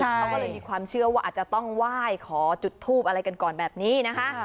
เขาก็เลยมีความเชื่อว่าอาจจะต้องไหว้ขอจุดทูบอะไรกันก่อนแบบนี้นะคะ